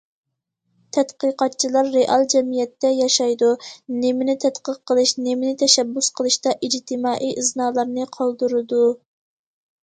تەتقىقاتچىلار رېئال جەمئىيەتتە ياشايدۇ، نېمىنى تەتقىق قىلىش، نېمىنى تەشەببۇس قىلىشتا ئىجتىمائىي ئىزنالارنى قالدۇرىدۇ.